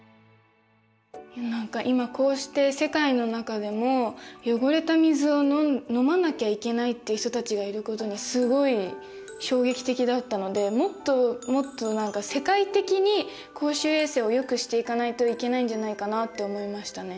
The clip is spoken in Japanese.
何か今こうして世界の中でも汚れた水を飲まなきゃいけないって人たちがいることにすごい衝撃的だったのでもっともっと世界的に公衆衛生をよくしていかないといけないんじゃないかなって思いましたね。